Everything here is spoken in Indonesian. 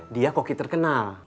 dia koki terkenal